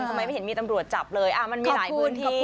ทำไมไม่เห็นมีตำรวจจับเลยมันมีหลายพื้นที่